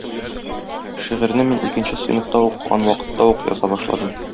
Шигырьне мин икенче сыйныфта укыган вакытта ук яза башладым.